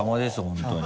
本当に。